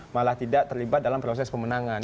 malah tidak terlibat dalam proses pemenangan